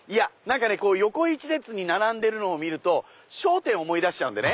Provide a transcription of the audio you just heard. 横一列に並んでるのを見ると『笑点』を思い出しちゃうんでね。